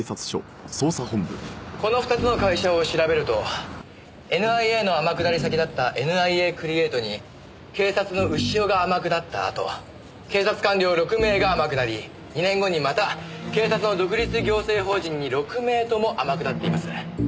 この２つの会社を調べるとＮＩＡの天下り先だったＮＩＡクリエイトに警察の潮が天下ったあと警察官僚６名が天下り２年後にまた警察の独立行政法人に６名とも天下っています。